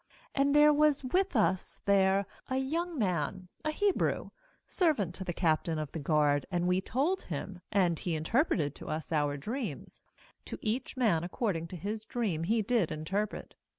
^And there was with us there a young man, a Hebrew, servant tc the captain of the guard; and we told him, and he interpreted to us our dreams; to each man according to his dream he did interpret.